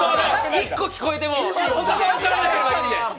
１個聞こえても他が分からなければいいんで。